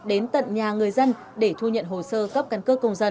đến tận nhà người dân để thu nhận hồ sơ cấp căn cước công dân